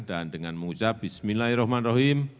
dan dengan mengucap bismillahirrahmanirrahim